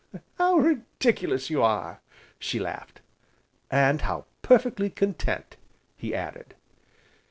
"How ridiculous you are!" she laughed. "And how perfectly content!" he added.